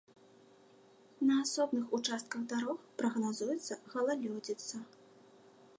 На асобных участках дарог прагназуецца галалёдзіца.